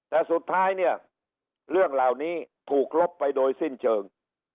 แต่สุดท้ายเนี่ยเรื่องเหล่านี้ถูกลบไปโดยสิ้นเชิง